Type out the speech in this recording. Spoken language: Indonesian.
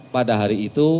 pada hari itu